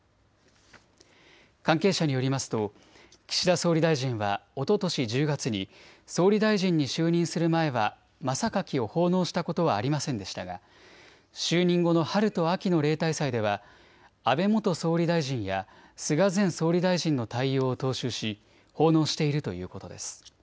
関係者によりますと岸田総理大臣はおととし１０月に総理大臣に就任する前は真榊を奉納したことはありませんでしたが就任後の春と秋の例大祭では安倍元総理大臣や菅前総理大臣の対応を踏襲し奉納しているということです。